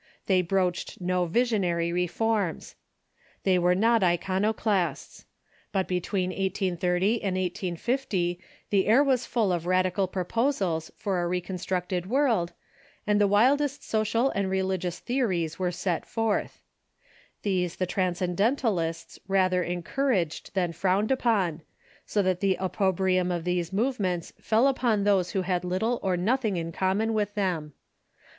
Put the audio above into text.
They broached no visionary reforms. They were not iconoclasts. But between 1830 Affiliated Reformers iio n*i • e u e i ^ if and ISoO the air was lull or radical proposals tor a reconstructed world, and the wildest social and religious the ories were set forth. These the Transcendentalists rather en couraged than frowned upon, so that the opprobrium of these movements fell upon those who had little or nothing in com mon with them.